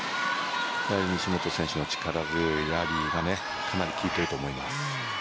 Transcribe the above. やはり西本選手の力強いラリーがかなり効いていると思います。